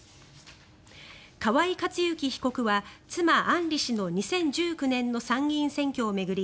河井克行被告は妻・案里氏の２０１９年の参議院選挙を巡り